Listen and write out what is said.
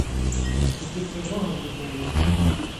Тоді прожогом від неї.